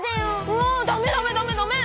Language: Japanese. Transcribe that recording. ああダメダメダメダメ！